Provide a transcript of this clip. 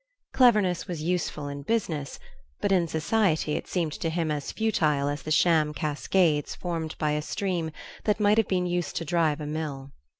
Cleverness was useful in business; but in society it seemed to him as futile as the sham cascades formed by a stream that might have been used to drive a mill.